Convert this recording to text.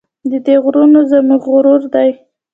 د دې غرونه زموږ غرور دی؟